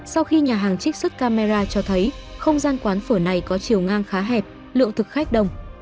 sau khi nhà hàng trích xuất camera cho thấy không gian quán phở này có chiều ngang khá hẹp lượng thực khách đông